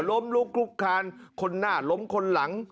ล้มลุกลุกคานคนหน้าล้มคนหลัง